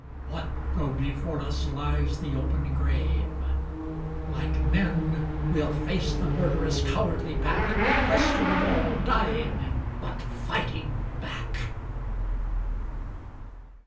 What though before us lies the open grave? Like men we'll face the murderous, cowardly pack, Pressed to the wall, dying, but fighting back!